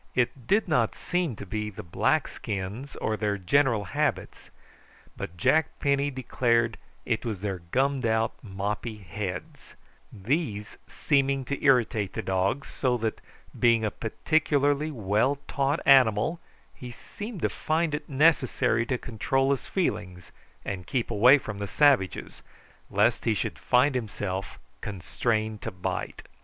It did not seem to be the black skins or their general habits; but Jack Penny declared that it was their gummed out moppy heads, these seeming to irritate the dog, so that, being a particularly well taught animal, he seemed to find it necessary to control his feelings and keep away from the savages, lest he should find himself constrained to bite.